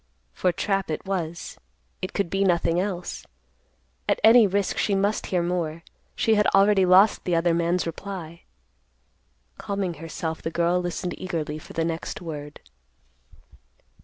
For trap it was. It could be nothing else. At any risk she must hear more. She had already lost the other man's reply. Calming herself, the girl listened eagerly for the next word.